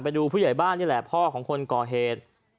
ผู้ใหญ่บ้านนี่แหละพ่อของคนก่อเหตุ